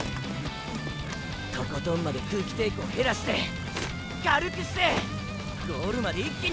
とことんまで空気抵抗減らして軽くしてゴールまで一気に！